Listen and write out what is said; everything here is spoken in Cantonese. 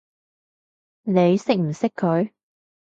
你識唔識佢？